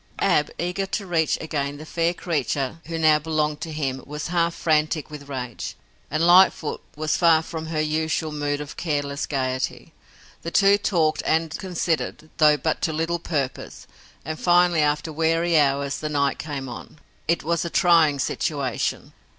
Ab, eager to reach again the fair creature who now belonged to him, was half frantic with rage, and Lightfoot was far from her usual mood of careless gaiety. The two talked and considered, though but to little purpose, and, finally, after weary hours, the night came on. It was a trying situation.